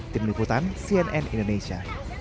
tim liputan cnn indonesia